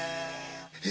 え